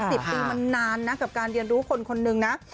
สิบปีมันนานนะกับการเรียนรู้คนคนหนึ่งนะ